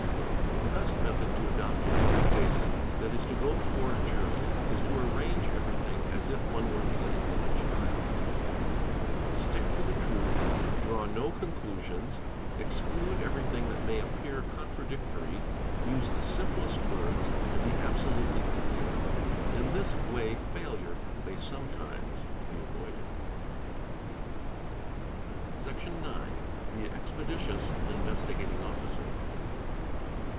j J The best method to adopt in every case that is to go before a "jury is to arrange everything as if one were dealing with a child; stick to the truth, draw no conclusions, exclude everything that may appear 46 THE INVESTIGATING OFFICER contradictory, use the simplest words, and be absolutely clear. In this way failure may sometimes be avoided™, Section ix.— The Expeditious" Investigating Officer.